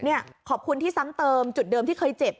ขอบคุณที่ซ้ำเติมจุดเดิมที่เคยเจ็บ